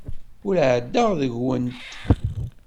Ur ɛeddaɣ deg-went.